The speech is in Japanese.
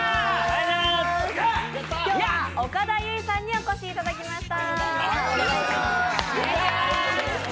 今日は岡田結実さんにお越しいただきました。